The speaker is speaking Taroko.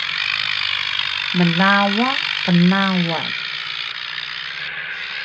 Mlawa qnawal